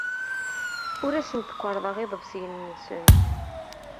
Ur asent-kerrḍeɣ iḍebsiyen-nsent.